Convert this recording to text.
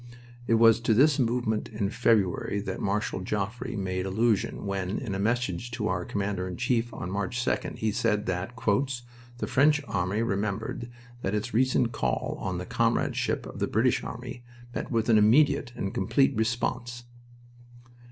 It was to this movement in February that Marshal Joffre made allusion when, in a message to our Commander in Chief on March 2d, he said that "the French army remembered that its recent call on the comradeship of the British army met with an immediate and complete response."